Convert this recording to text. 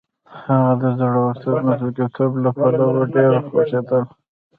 هغه د زړورتوب او مسلکیتوب له پلوه ډېره خوښېدله.